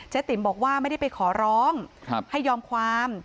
ติ๋มบอกว่าไม่ได้ไปขอร้องให้ยอมความ